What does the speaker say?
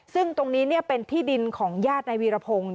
ซึ่งตรงนี้เป็นที่ดินของญาตินายวีรพงศ์